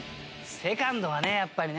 セカンドはねやっぱりね。